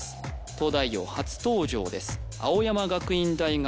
「東大王」初登場です